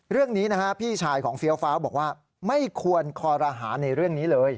เรื่องนี้นะฮะพี่ชายของเฟี้ยวฟ้าวบอกว่าไม่ควรคอรหาในเรื่องนี้เลย